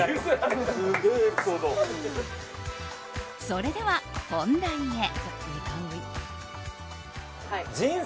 それでは本題へ。